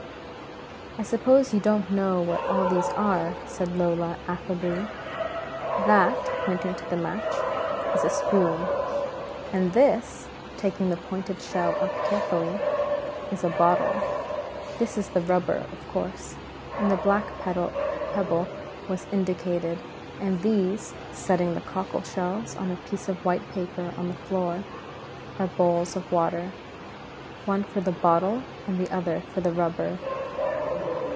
"I suppose you don't know what all these are?" said Lola, affably. "That," pointing to the match, "is a spoon; and this," taking the pointed shell up carefully, "is a bottle. This is the 'rubber,' of course," and the black pebble was indicated; "and these" (setting the cockle shells on a piece of white paper on the floor) "are bowls of water, one for the bottle and the other for the rubber."